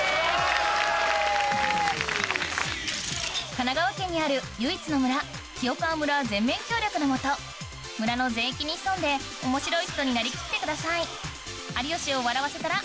神奈川県にある唯一の村清川村全面協力の下村の全域に潜んで面白い人になりきってください